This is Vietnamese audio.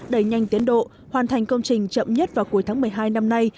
đẩy nhanh tiến độ hoàn thành công trình chậm nhất vào cuối tháng một mươi hai năm nay